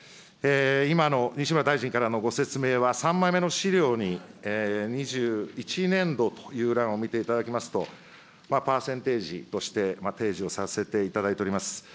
今の西村大臣からのご説明は、３枚目の資料に、２１年度という欄を見ていただきますと、パーセンテージとして提示をさせていただいております。